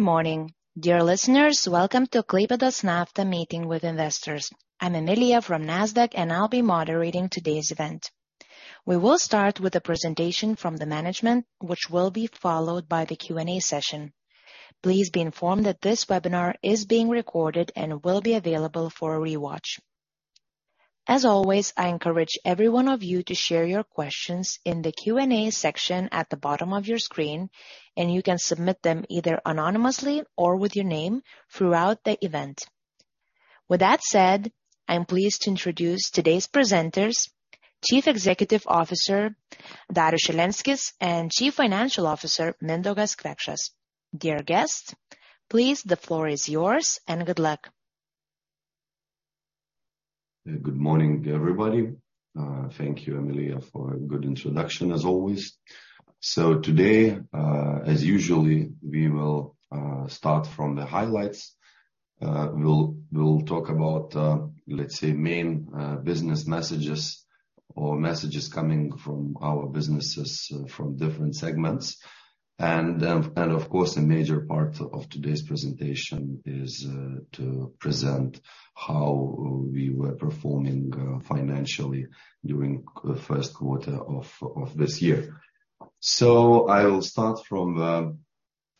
Good morning, dear listeners. Welcome to Klaipėdos Nafta Meeting with Investors. I'm Emilija from Nasdaq, and I'll be moderating today's event. We will start with a presentation from the management, which will be followed by the Q&A session. Please be informed that this webinar is being recorded and will be available for rewatch. As always, I encourage every one of you to share your questions in the Q&A section at the bottom of your screen, and you can submit them either anonymously or with your name throughout the event. With that said, I'm pleased to introduce today's presenters, Chief Executive Officer, Darius Šilenskis, and Chief Financial Officer, Mindaugas Kvekšas. Dear guests, please, the floor is yours, and good luck. Good morning, everybody. Thank you, Emilija, for a good introduction as always. Today, as usually, we will start from the highlights. We'll talk about, let's say, main business messages or messages coming from our businesses from different segments. Of course, a major part of today's presentation is to present how we were performing financially during the first quarter of this year. I will start from the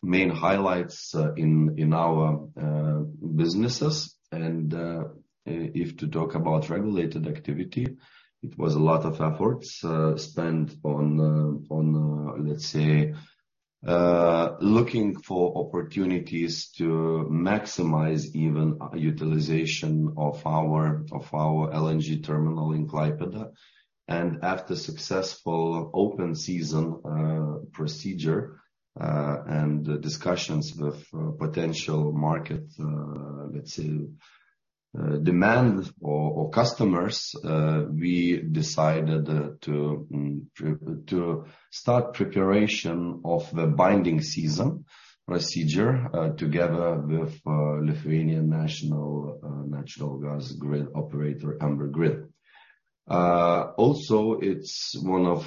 main highlights in our businesses. If to talk about regulated activity, it was a lot of efforts spent on, let's say, looking for opportunities to maximize even utilization of our LNG terminal in Klaipėda. After successful open season procedure and discussions with potential market, let's say, demand or customers, we decided to start preparation of the binding open season procedure together with Lithuanian national natural gas transmission system operator, Amber Grid. Also it's one of,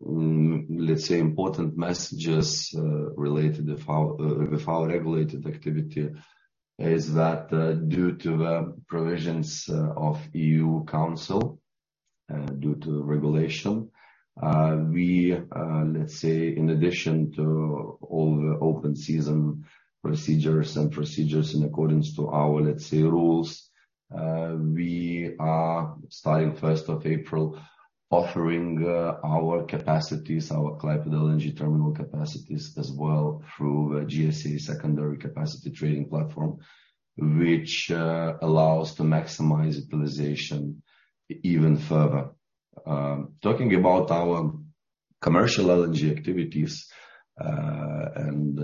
let's say, important messages related with our with our regulated activity, is that due to the provisions of EU Council, due to the regulation, we, let's say, in addition to all the open season procedures and procedures in accordance to our, let's say, rules, we are starting 1st of April offering our capacities, our Klaipėda LNG terminal capacities as well through GSA secondary capacity trading platform, which allows to maximize utilization even further. Talking about our commercial LNG activities, and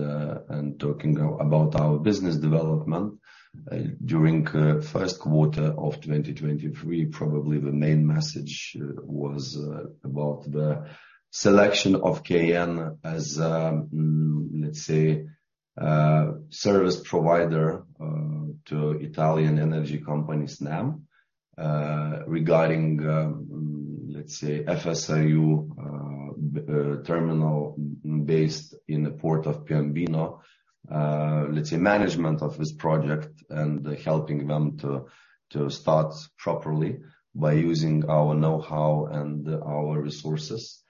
talking about our business development, during first quarter of 2023, probably the main message was about the selection of KN as service provider to Italian energy company, Snam, regarding FSRU terminal based in the port of Piombino. Management of this project and helping them to start properly by using our know-how and our resources.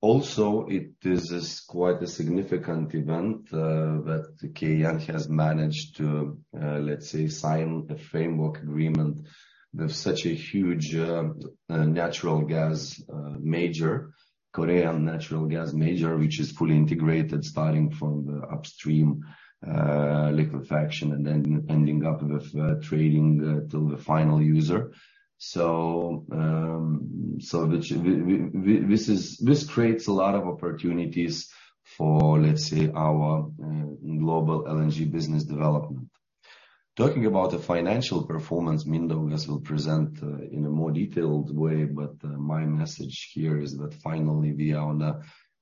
It is quite a significant event that KN has managed to sign a framework agreement with such a huge natural gas major, Korean natural gas major, which is fully integrated, starting from the upstream liquefaction and then ending up with trading to the final user. This creates a lot of opportunities for, let's say, our global LNG business development. Talking about the financial performance, Mindaugas will present in a more detailed way, my message here is that finally we are on a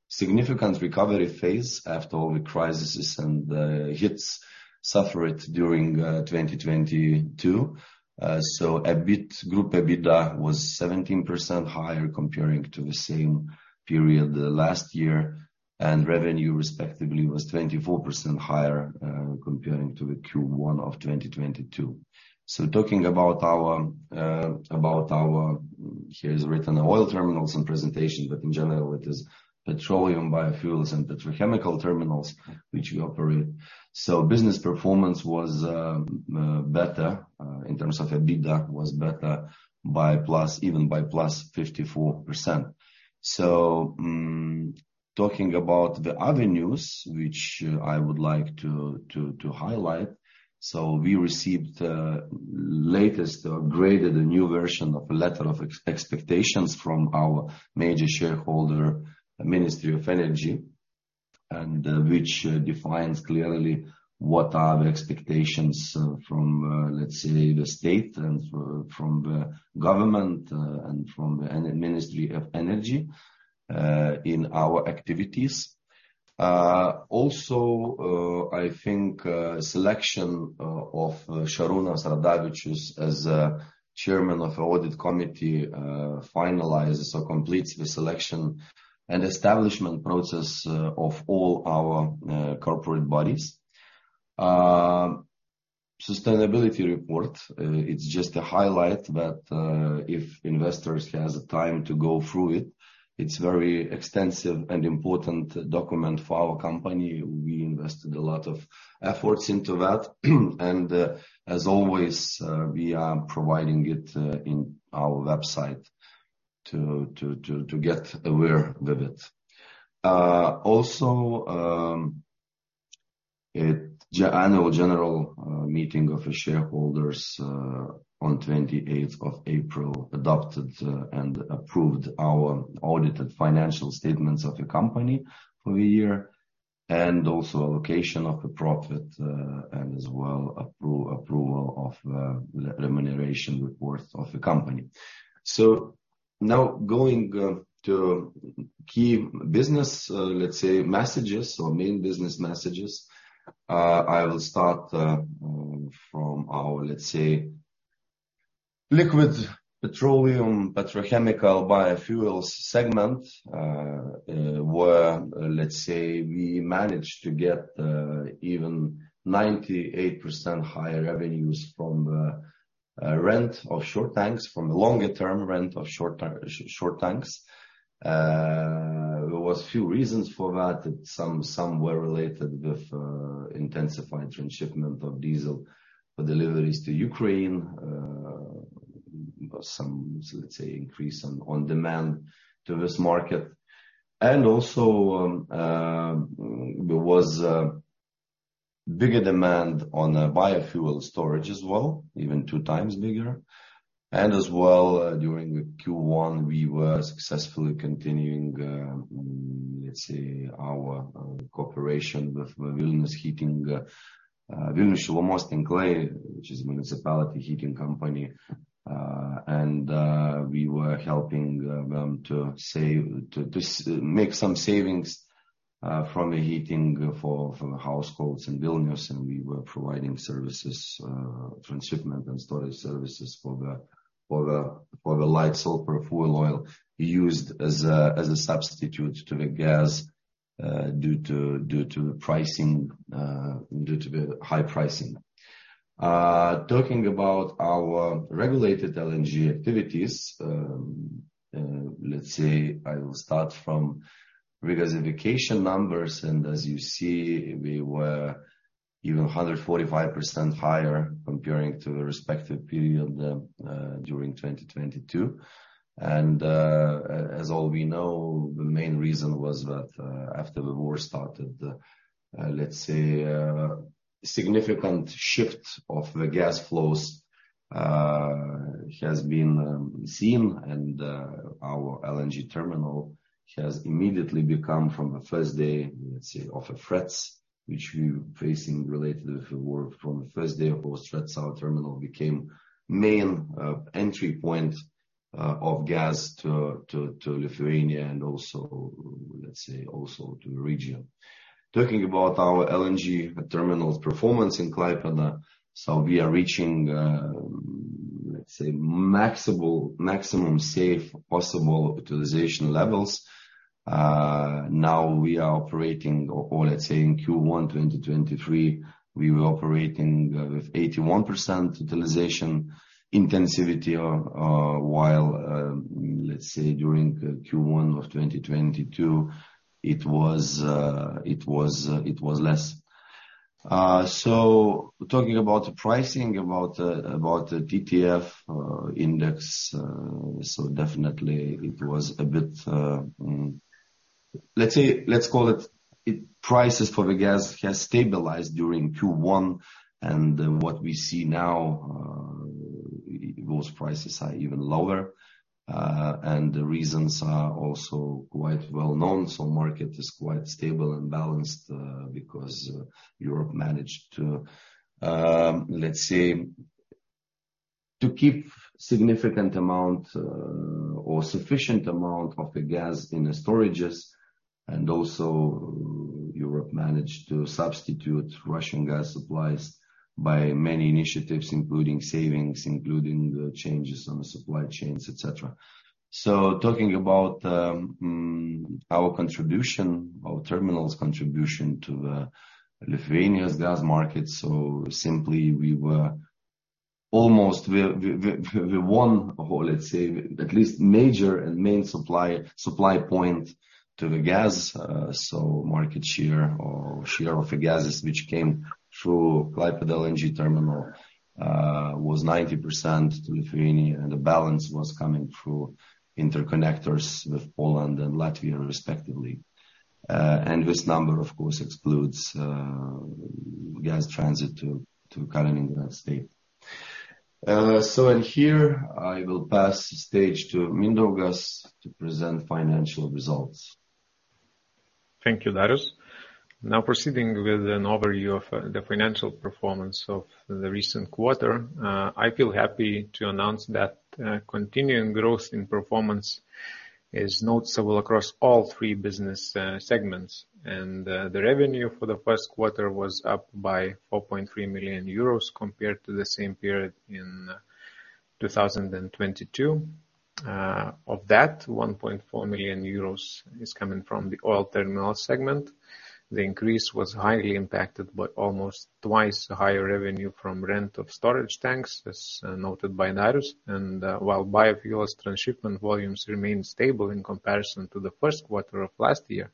significant recovery phase after all the crises and hits suffered during 2022. EBIT, group EBITDA was 17% higher comparing to the same period last year, and revenue respectively was 24% higher comparing to the Q1 of 2022. Talking about our, here is written oil terminals and presentations, in general it is petroleum biofuels and petrochemical terminals which we operate. Business performance was better in terms of EBITDA, was better by plus, even by +54%. Talking about the avenues which I would like to highlight. We received latest or graded a new version of a Letter of Expectations from our major shareholder, Ministry of Energy, which defines clearly what are the expectations from let's say the state and from the government and from the Ministry of Energy in our activities. Also, I think selection of Šarūnė Sarrade as chairman of audit committee finalizes or completes the selection and establishment process of all our corporate bodies. Sustainability report, it's just a highlight that if investors has the time to go through it's very extensive and important document for our company. We invested a lot of efforts into that. As always, we are providing it in our website to get aware with it. Also, Annual General Meeting of the Shareholders on 28th of April adopted and approved our audited financial statements of the company for the year, and also allocation of the profit, and as well approval of remuneration reports of the company. Now going to key business, let's say messages or main business messages, I will start from our, let's say, liquid petroleum petrochemical biofuels segment, where, let's say we managed to get even 98% higher revenues from rent of short tanks, from longer term rent of short tanks. There was few reasons for that. Some were related with intensified transshipment of diesel for deliveries to Ukraine. Some, let's say, increase on demand to this market. Also, there was bigger demand on biofuel storage as well, even two times bigger. As well, during the Q1, we were successfully continuing, let's say our cooperation with Vilnius Heating, Vilniaus Šilumos Tinklai, which is municipality heating company. We were helping them to make some savings from the heating for the households in Vilnius. We were providing services, transshipment and storage services for the light sulfur fuel oil used as a substitute to the gas due to pricing, due to the high pricing. Talking about our regulated LNG activities, let's say I will start from regasification numbers. As you see, we were even 145% higher comparing to the respective period during 2022. As all we know, the main reason was that after the war started, let's say a significant shift of the gas flows has been seen. Our LNG terminal has immediately become from the first day, let's say, of the threats which we facing related with the war. From the first day of those threats, our terminal became main entry point of gas to Lithuania and also, let's say, also to the region. Talking about our LNG terminal's performance in Klaipėda, we are reaching, let's say maximum safe possible utilization levels. Now we are operating, or let's say in Q1 2023, we were operating with 81% utilization intensity. While, let's say during Q1 of 2022, it was less. Talking about the pricing, about the TTF index, definitely it was a bit, let's say, let's call it prices for the gas has stabilized during Q1. What we see now, those prices are even lower. The reasons are also quite well known. Market is quite stable and balanced because Europe managed to, let's say, to keep significant amount or sufficient amount of the gas in the storages. Also Europe managed to substitute Russian gas supplies by many initiatives, including savings, including the changes on the supply chains, et cetera. Talking about our contribution, our terminals contribution to the Lithuania's gas market. Simply we are, we won or let's say at least major and main supply point to the gas. Market share or share of the gases which came through Klaipėda LNG terminal was 90% to Lithuania. The balance was coming through interconnectors with Poland and Latvia respectively. This number of course excludes gas transit to Kaliningrad Oblast. In here I will pass the stage to Mindaugas to present financial results. Thank you, Darius. Now proceeding with an overview of the financial performance of the recent quarter. I feel happy to announce that continuing growth in performance is noticeable across all three business segments. The revenue for the first quarter was up by 4.3 million euros compared to the same period in 2022. Of that 1.4 million euros is coming from the oil terminal segment. The increase was highly impacted by almost twice the higher revenue from rent of storage tanks, as noted by Darius. While biofuels transshipment volumes remained stable in comparison to the first quarter of last year.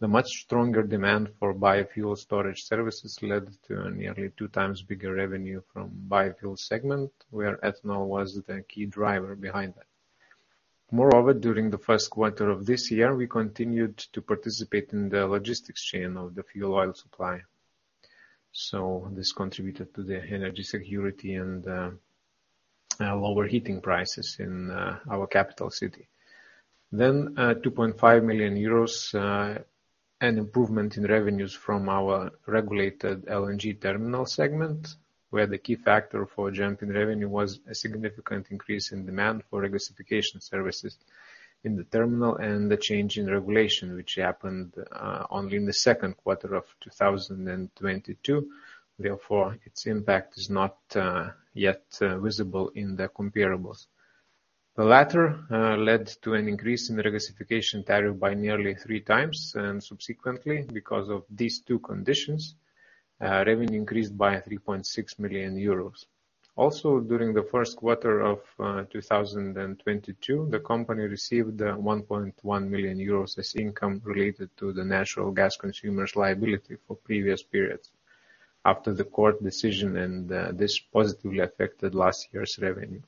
The much stronger demand for biofuel storage services led to a nearly two times bigger revenue from biofuel segment, where ethanol was the key driver behind that. Moreover, during the first quarter of this year, we continued to participate in the logistics chain of the fuel oil supply. This contributed to the energy security and lower heating prices in our capital city. 2.5 million euros an improvement in revenues from our regulated LNG terminal segment, where the key factor for a jump in revenue was a significant increase in demand for regasification services in the terminal and the change in regulation, which happened only in the second quarter of 2022. Therefore, its impact is not yet visible in the comparables. The latter led to an increase in regasification tariff by nearly three times. Subsequently, because of these two conditions, revenue increased by 3.6 million euros. During the first quarter of 2022, the company received 1.1 million euros as income related to the natural gas consumer's liability for previous periods after the court decision, this positively affected last year's revenue.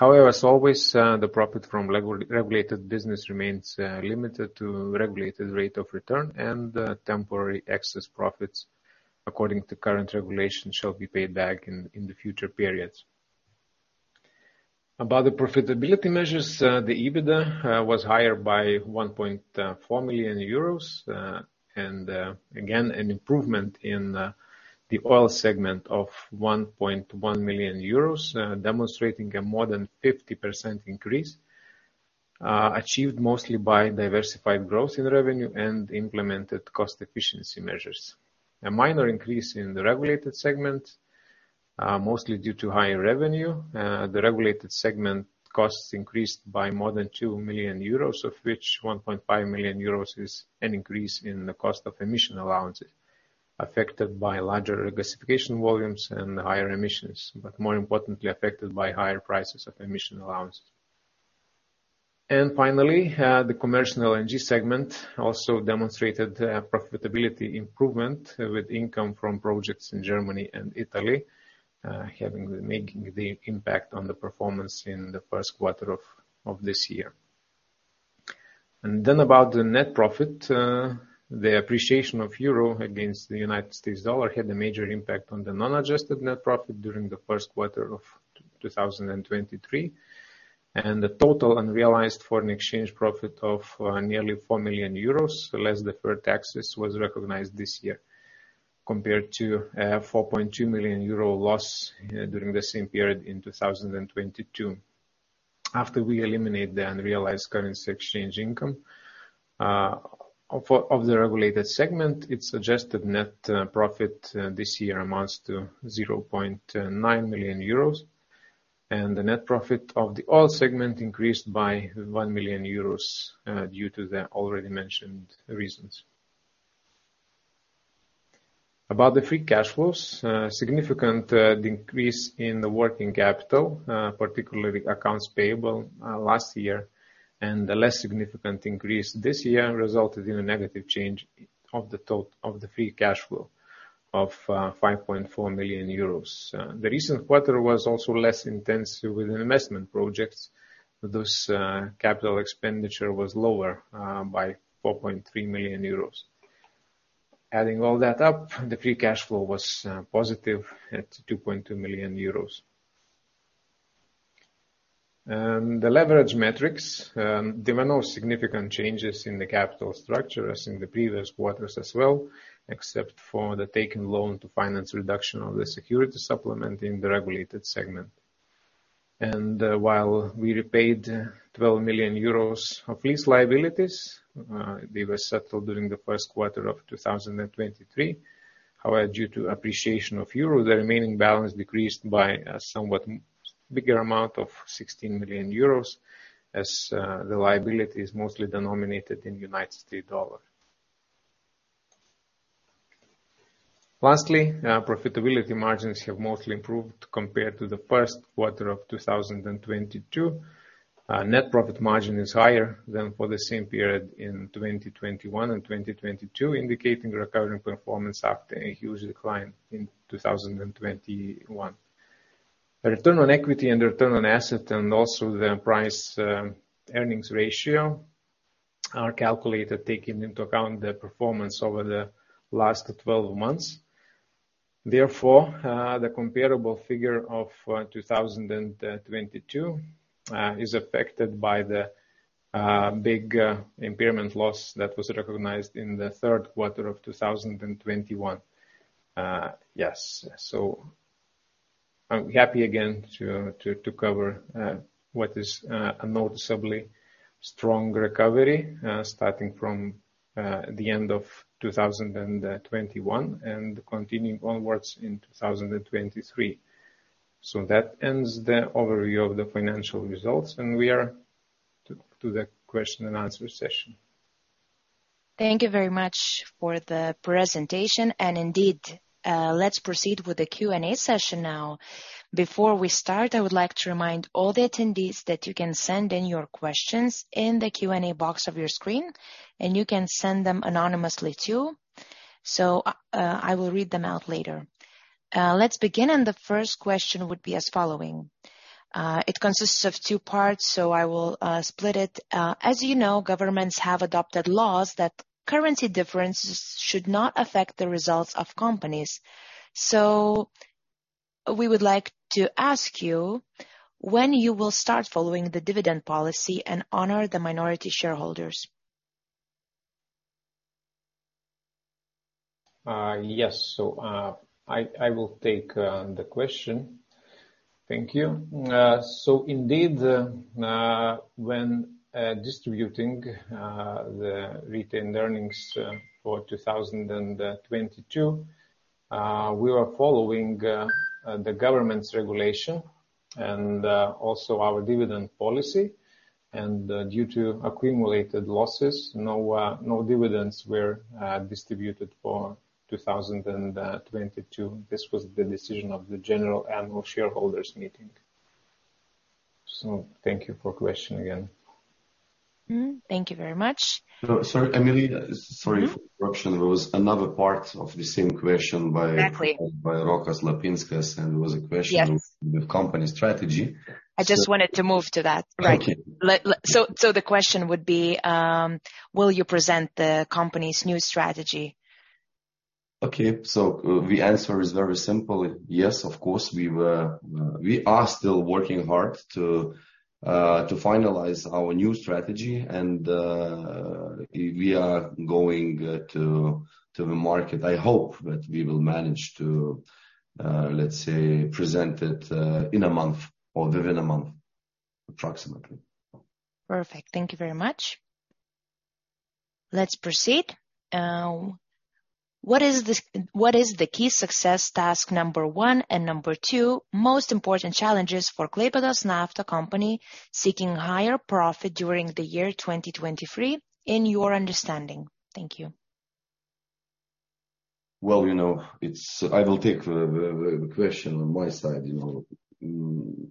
As always, the profit from regulated business remains limited to regulated rate of return and temporary excess profits according to current regulations, shall be paid back in the future periods. About the profitability measures, the EBITDA was higher by 1.4 million euros. Again, an improvement in the oil segment of 1.1 million euros, demonstrating a more than 50% increase, achieved mostly by diversified growth in revenue and implemented cost efficiency measures. A minor increase in the regulated segment, mostly due to higher revenue. The regulated segment costs increased by more than 2 million euros, of which 1.5 million euros is an increase in the cost of emission allowances, affected by larger regasification volumes and higher emissions, but more importantly, affected by higher prices of emission allowances. Finally, the commercial LNG segment also demonstrated profitability improvement with income from projects in Germany and Italy, making the impact on the performance in the first quarter of this year. About the net profit, the appreciation of euro against the United States dollar had a major impact on the non-adjusted net profit during the first quarter of 2023. The total unrealized foreign exchange profit of nearly 4 million euros, less deferred taxes was recognized this year compared to 4.2 million euro loss during the same period in 2022. After we eliminate the unrealized currency exchange income of the regulated segment, its suggested net profit this year amounts to 0.9 million euros. The net profit of the oil segment increased by 1 million euros due to the already mentioned reasons. About the free cash flows, significant decrease in the working capital, particularly accounts payable, last year, and a less significant increase this year resulted in a negative change of the free cash flow of 5.4 million euros. The recent quarter was also less intense with investment projects. Those capital expenditure was lower by 4.3 million euros. Adding all that up, the free cash flow was positive at 2.2 million euros. The leverage metrics. There were no significant changes in the capital structure as in the previous quarters as well, except for the taken loan to finance reduction of the security supplement in the regulated segment. While we repaid 12 million euros of lease liabilities, they were settled during the first quarter of 2023. However, due to appreciation of euro, the remaining balance decreased by a somewhat bigger amount of 16 million euros as the liability is mostly denominated in United States dollar. Lastly, profitability margins have mostly improved compared to the first quarter of 2022. Net profit margin is higher than for the same period in 2021 and 2022, indicating recovery performance after a huge decline in 2021. The return on equity and return on asset, and also the price, earnings ratio are calculated taking into account the performance over the last 12 months. The comparable figure of 2022 is affected by the big impairment loss that was recognized in the 3rd quarter of 2021. Yes. I'm happy again to cover what is a noticeably strong recovery starting from the end of 2021 and continuing onwards in 2023. That ends the overview of the financial results, and we are to the question and answer session. Thank you very much for the presentation. Indeed, let's proceed with the Q&A session now. Before we start, I would like to remind all the attendees that you can send in your questions in the Q&A box of your screen, and you can send them anonymously too. I will read them out later. Let's begin, the first question would be as following. It consists of two parts, I will split it. As you know, governments have adopted laws that currency differences should not affect the results of companies. We would like to ask you when you will start following the dividend policy and honor the minority shareholders. Yes. I will take the question. Thank you. Indeed, when distributing the retained earnings for 2022, we were following the government's regulation and also our dividend policy. Due to accumulated losses, no dividends were distributed for 2022. This was the decision of the general annual shareholders meeting. Thank you for question again. Thank you very much. sorry, Emilija. Sorry for interruption. There was another part of the same question by- Exactly by Rokas Lapinskas, and it was a question. Yes the company strategy. I just wanted to move to that. Right. Thank you. The question would be, will you present the company's new strategy? The answer is very simple. Yes, of course, we are still working hard to finalize our new strategy and we are going to the market. I hope that we will manage to, let's say, present it in a month or within a month, approximately. Perfect. Thank you very much. Let's proceed. What is the key success task number one and number two most important challenges for Klaipėdos Nafta company seeking higher profit during the year 2023 in your understanding? Thank you. Well, you know, it's. I will take the question on my side, you know.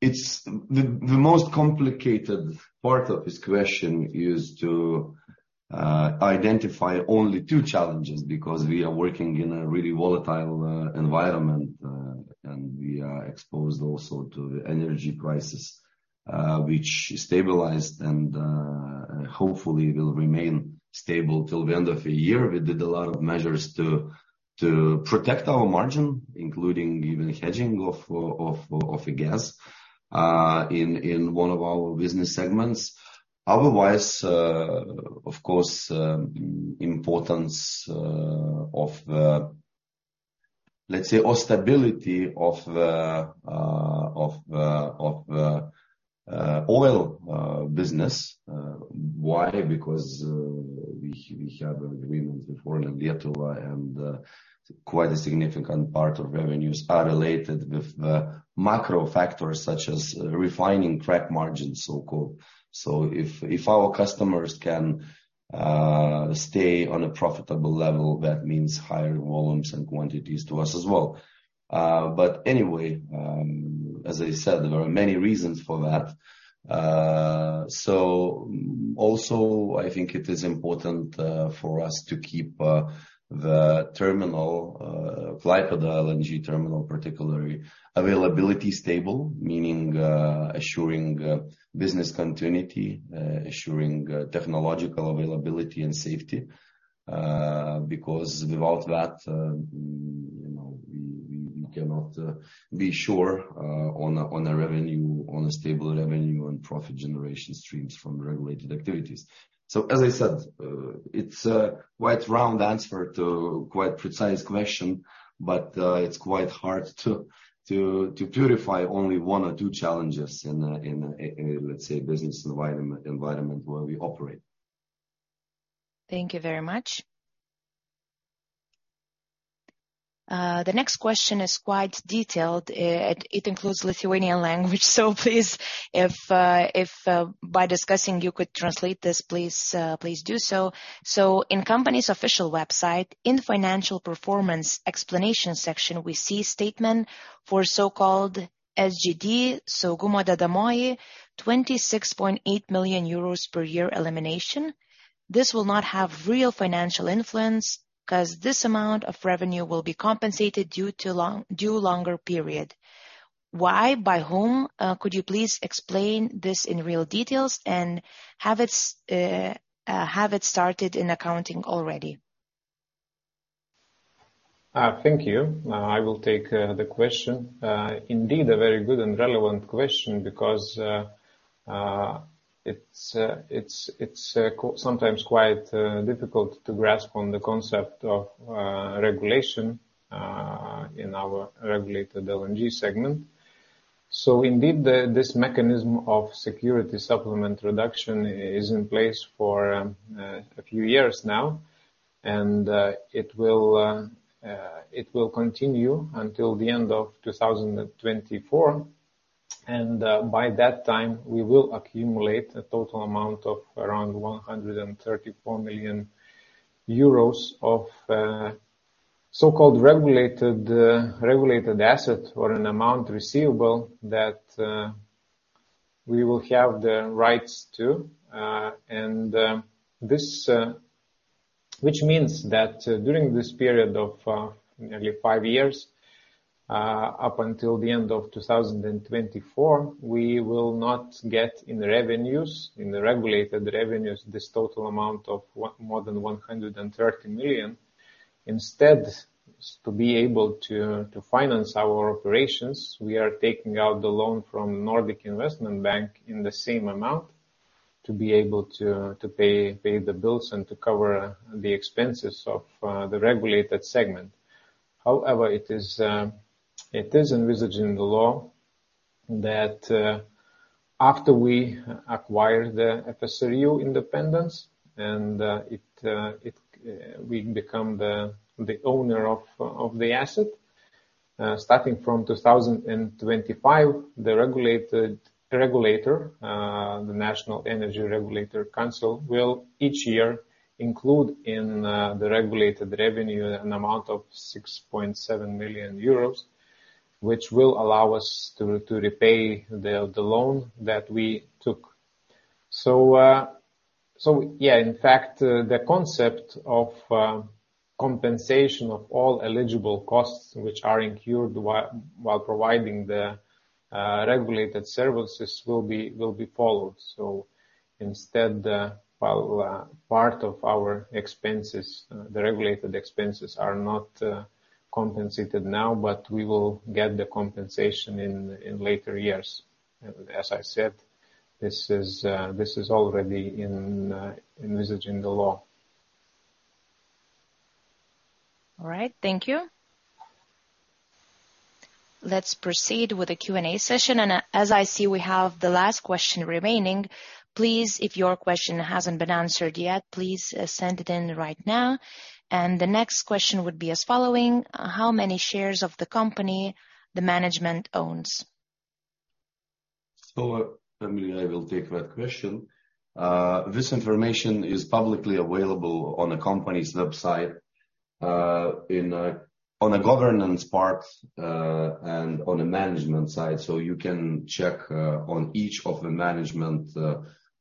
It's the most complicated part of this question is to identify only two challenges because we are working in a really volatile environment. And we are exposed also to the energy crisis, which stabilized and hopefully will remain stable till the end of the year. We did a lot of measures to protect our margin, including even hedging of the gas in one of our business segments. Otherwise, of course, importance of the, let's say, all stability of the of the oil business. Why? We have an agreement with ORLEN Lietuva, and quite a significant part of revenues are related with the macro factors such as refining crack margins, so-called. If our customers can stay on a profitable level, that means higher volumes and quantities to us as well. Anyway, as I said, there are many reasons for that. Also I think it is important for us to keep the terminal, Klaipėda LNG terminal particularly, availability stable, meaning assuring business continuity, assuring technological availability and safety. Without that, you know, we cannot be sure on a revenue, on a stable revenue and profit generation streams from regulated activities. As I said, it's a quite round answer to quite precise question. It's quite hard to purify only one or two challenges in a, let's say, business environment where we operate. Thank you very much. The next question is quite detailed. It includes Lithuanian language, so please, if by discussing you could translate this, please do so. In company's official website, in financial performance explanation section, we see statement for so-called SGD, so security component 26.8 million euros per year elimination. This will not have real financial influence 'cause this amount of revenue will be compensated due to longer period. Why? By whom? Could you please explain this in real details? Have it started in accounting already? Thank you. I will take the question. Indeed, a very good and relevant question because it's, it's sometimes quite difficult to grasp on the concept of regulation in our regulated LNG segment. Indeed, this mechanism of security supplement reduction is in place for a few years now. And it will continue until the end of 2024. By that time, we will accumulate a total amount of around 134 million euros of so-called regulated regulated asset or an amount receivable that we will have the rights to. This... Which means that during this period of nearly five years, up until the end of 2024, we will not get any revenues, any regulated revenues, this total amount of more than 130 million. Instead, to be able to finance our operations, we are taking out the loan from Nordic Investment Bank in the same amount to be able to pay the bills and to cover the expenses of the regulated segment. However, it is envisaged in the law that after we acquire the FSRU Independence and it, we become the owner of the asset. Starting from 2025, the regulated regulator, the National Energy Regulatory Council, will each year include in the regulated revenue an amount of 6.7 million euros, which will allow us to repay the loan that we took. yeah. In fact, the concept of compensation of all eligible costs which are incurred while providing the regulated services will be followed. instead, while part of our expenses, the regulated expenses are not compensated now, but we will get the compensation in later years. As I said, this is already in envisaged in the law. All right. Thank you. Let's proceed with the Q&A session. As I see, we have the last question remaining. Please, if your question hasn't been answered yet, please, send it in right now. The next question would be as following: How many shares of the company the management owns? Emilija, I will take that question. This information is publicly available on the company's website, in on the governance part and on the management side. You can check on each of the management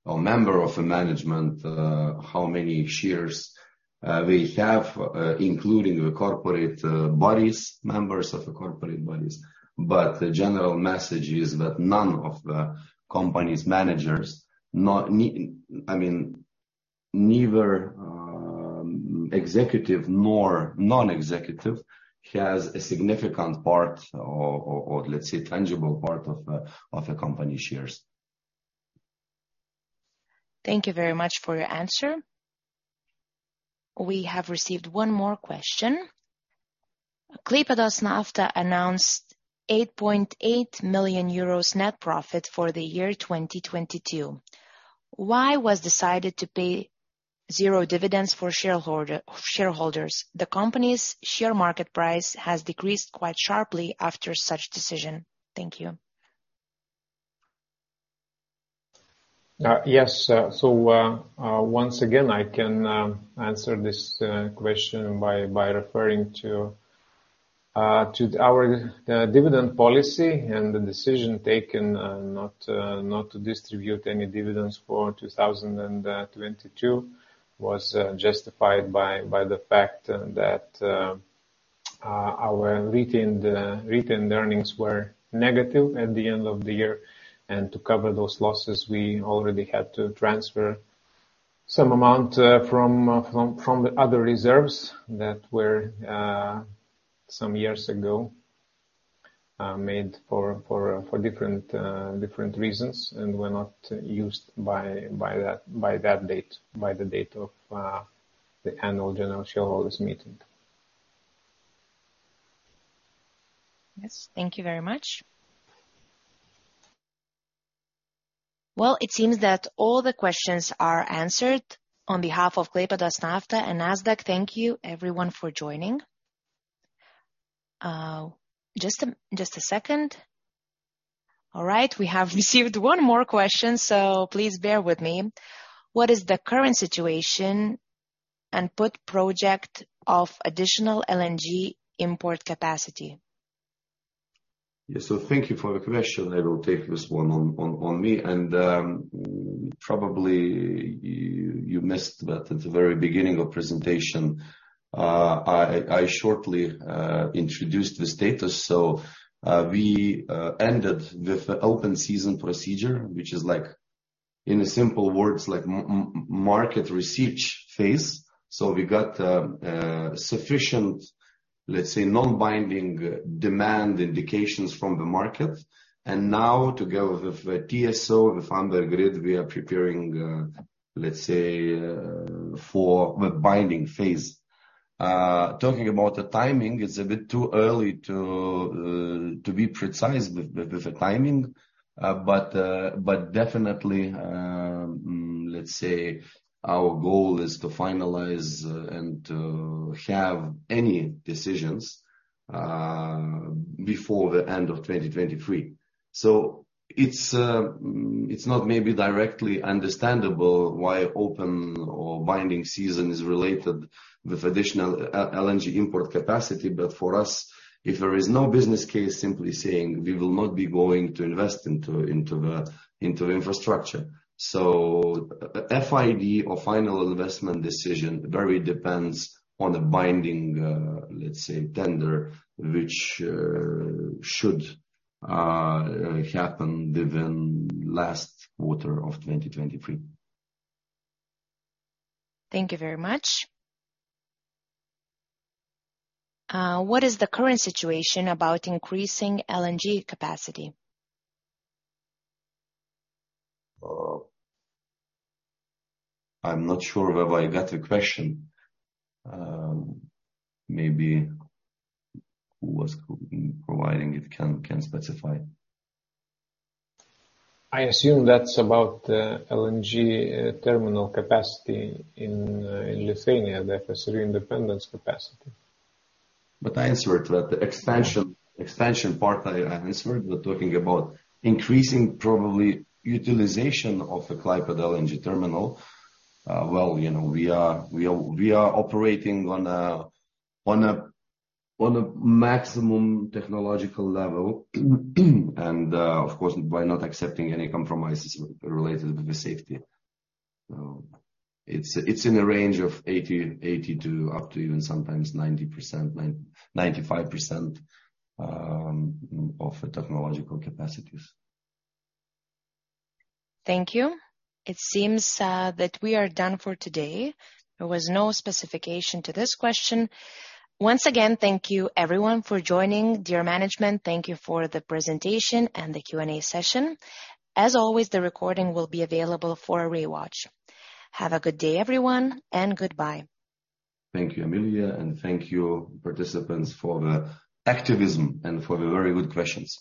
or member of the management how many shares they have, including the corporate bodies, members of the corporate bodies. The general message is that none of the company's managers, not me, I mean, neither executive nor non-executive, has a significant part or let's say tangible part of the company shares. Thank you very much for your answer. We have received one more question. Klaipėdos Nafta announced 8.8 million euros net profit for the year 2022. Why was decided to pay 0 dividends for shareholders? The company's share market price has decreased quite sharply after such decision. Thank you. Yes. So, once again, I can answer this question by referring to our dividend policy. The decision taken not to distribute any dividends for 2022 was justified by the fact that our retained earnings were negative at the end of the year. To cover those losses, we already had to transfer some amount from the other reserves that were some years ago made for different reasons and were not used by that date, by the date of the annual general shareholders meeting. Yes. Thank you very much. It seems that all the questions are answered. On behalf of Klaipėdos Nafta and Nasdaq, thank you everyone for joining. Just a second. All right. We have received one more question, so please bear with me. What is the current situation and put project of additional LNG import capacity? Thank you for the question. I will take this one on me. Probably you missed, but at the very beginning of presentation, I shortly introduced the status. We ended with the open season procedure, which is like, in simple words, like market research phase. We got sufficient, let's say, non-binding demand indications from the market. Now together with TSO, with Amber Grid, we are preparing, let's say, for the binding phase. Talking about the timing, it's a bit too early to be precise with the timing. But definitely, let's say our goal is to finalize and to have any decisions before the end of 2023. It's not maybe directly understandable why open or binding season is related with additional LNG import capacity. For us, if there is no business case simply saying we will not be going to invest into the infrastructure. FID or final investment decision very depends on the binding, let's say tender, which should happen within last quarter of 2023. Thank you very much. What is the current situation about increasing LNG capacity? I'm not sure whether I got the question. Maybe who was providing it can specify. I assume that's about the LNG terminal capacity in Lithuania, the FSRU Independence capacity. I answered that. The expansion part, I answered. We're talking about increasing probably utilization of the Klaipėda LNG terminal. Well, you know, we are operating on a maximum technological level and, of course, by not accepting any compromises related with the safety. It's in a range of 80% to up to even sometimes 90%-95% of the technological capacities. Thank you. It seems that we are done for today. There was no specification to this question. Once again, thank you everyone for joining. Dear management, thank you for the presentation and the Q&A session. As always, the recording will be available for rewatch. Have a good day everyone and goodbye. Thank you, Emilija, and thank you participants for the activism and for the very good questions.